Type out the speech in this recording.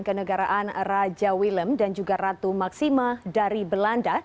kenegaraan raja willem dan juga ratu maksima dari belanda